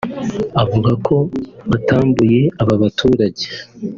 avuga ko batambuye aba baturage